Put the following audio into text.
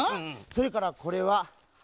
それからこれははい！